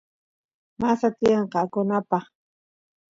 masa tiyan qoqanapaq